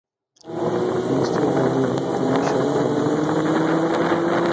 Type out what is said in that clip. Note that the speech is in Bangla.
নিশ্চয় জানিও তুমি সর্বদাই মুক্ত।